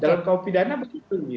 dalam kaum pidana begitu